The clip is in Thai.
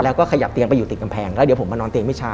แล้วก็ขยับเตียงไปอยู่ติดกำแพงแล้วเดี๋ยวผมมานอนเตียงมิชา